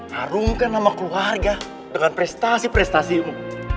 harumkan nama keluarga dengan prestasi prestasimu